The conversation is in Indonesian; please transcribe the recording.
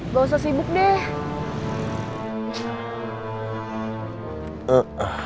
gak usah sibuk deh